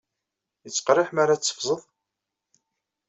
Yettqerriḥ mara tetteffẓeḍ?